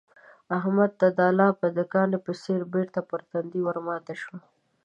احمد ته دا لاپه د کاني په څېر بېرته پر تندي ورماته شوه.